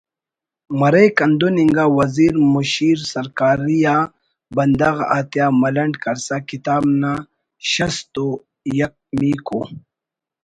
مریک ہندن انگا وزیر مشیر سرکاری آ بندغ آتیا ملنڈ کرسا کتاب نا شست و یک میکو